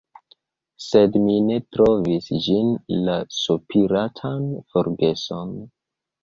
Sed mi ne trovis ĝin, la sopiratan forgeson.